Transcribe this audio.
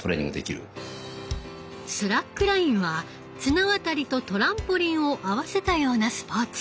スラックラインは綱渡りとトランポリンを合わせたようなスポーツ。